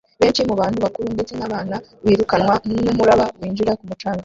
Benshi mu bantu bakuru ndetse n'abana birukanwa n'umuraba winjira ku mucanga